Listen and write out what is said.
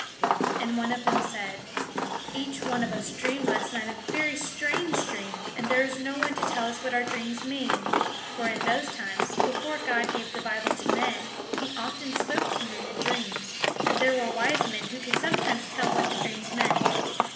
And one of them said, "Each one of us dreamed last night a very strange dream, and there is no one to tell us what our dreams mean." For in those times, before God gave the Bible to men, he often spoke to men in dreams; and there were wise men who could sometimes tell what the dreams meant.